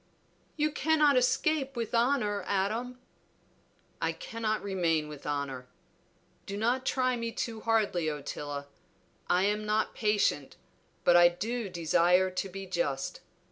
"You cannot escape with honor, Adam." "I cannot remain with honor. Do not try me too hardly, Ottila. I am not patient, but I do desire to be just.